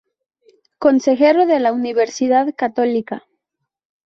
Consejero de la Universidad Católica.